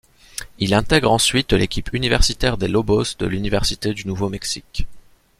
Il intègre ensuite l'équipe universitaire des Lobos de l'université du Nouveau-Mexique.